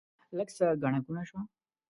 لږ څه ګڼه ګوڼه شوه.